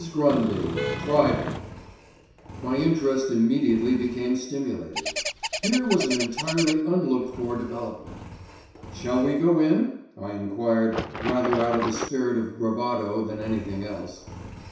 GRUNDY PRIVATE My interest immediately became stimulated. Here was an entirely unlooked for development. "Shall we go in?" I enquired, rather out of a spirit of bravado than anything else.